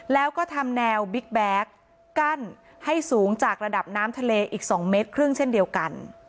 แล้วก็ทำแนวบิ๊กแบ็คกั้นให้สูงจากระดับน้ำทะเลอีก๒เมตรครึ่งเช่นเดียวกัน